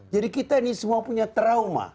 jadi kita ini semua punya trauma